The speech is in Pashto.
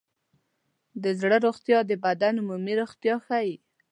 د زړه روغتیا د بدن عمومي روغتیا ښيي.